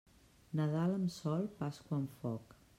Nadal amb sol, Pasqua amb foc.